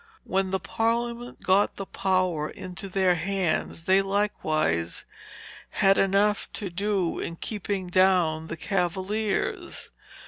When the Parliament got the power into their hands, they likewise had enough to do in keeping down the Cavaliers.